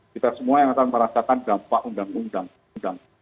kita semua yang akan merasakan dampak undang undang